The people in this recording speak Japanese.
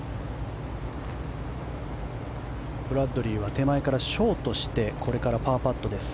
ブラッドリーは手前からショートしてこれからパーパットです。